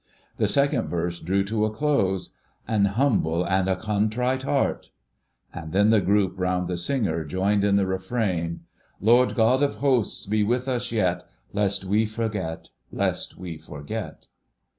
The second verse drew to a close— "An humble and a contrite heart," and then the group round the singer joined in the refrain— "Lord God of Hosts, be with us yet, Lest we forget, lest we forget!"